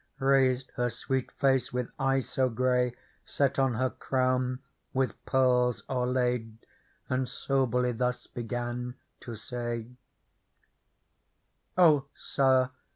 Raised her sweet face with eyes so grey. Set on her crown with pearls o'erlaid. And soberly thus began to say :" O Sir